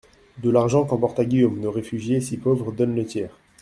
De l'argent qu'emporta Guillaume, nos réfugiés, si pauvres, donnent le tiers.